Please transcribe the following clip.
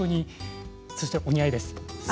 そしてお似合いです。